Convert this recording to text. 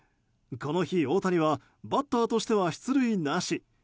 この日、大谷はバッターとしては出塁なし。